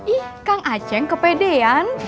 ih kang aceh kepedean